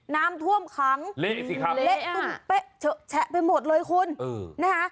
น้ำท่วมขังเละตุ้มเป๊ะเฉะแชะไปหมดเลยคุณ